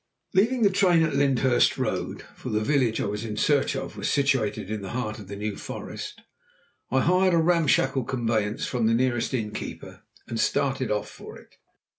Leaving the train at Lyndhurst Road for the village I was in search of was situated in the heart of the New Forest I hired a ramshackle conveyance from the nearest innkeeper and started off for it.